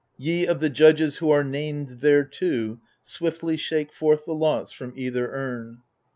Ye of the judges who are named thereto. Swiftly shake forth the lots from either urn.